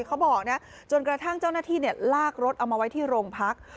เขาบอกนะจนกระทั่งเจ้าหน้าที่ลากรถเอามาไว้ที่โรงพัก